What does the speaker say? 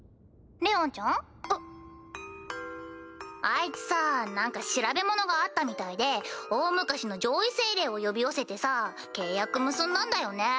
あいつさぁ何か調べ物があったみたいで大昔の上位精霊を呼び寄せてさぁ契約結んだんだよね